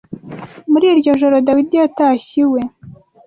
Muri iryo joro Dawidi yatashye iwe